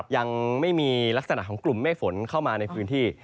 ยังไม่มีลักษณะของกลุ่มเมฆฝนเข้ามาในพื้นที่